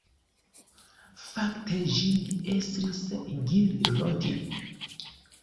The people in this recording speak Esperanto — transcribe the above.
Fakte ĝin estris Gil Rodin.